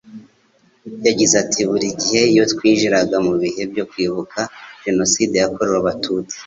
Yagize ati “Buri gihe iyo twinjiraga mu bihe byo kwibuka Jenoside yakorewe Abatutsi